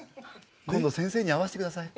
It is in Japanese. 今度先生に会わせてください